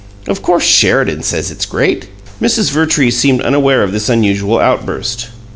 Of course Sheridan says it's 'great'." Mrs. Vertrees seemed unaware of this unusual outburst.